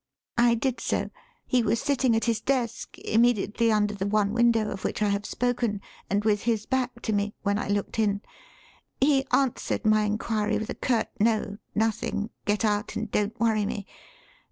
I did so. He was sitting at his desk, immediately under the one window of which I have spoken, and with his back to me, when I looked in. He answered my inquiry with a curt 'No nothing. Get out and don't worry me!'